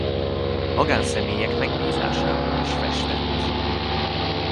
Magánszemélyek megbízásából is festett.